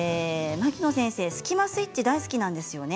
牧野先生、スキマスイッチ大好きなんですよね。